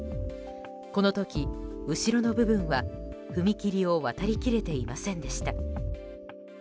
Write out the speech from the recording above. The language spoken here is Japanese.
この時、後ろの部分は踏切を渡り切れていませんでした。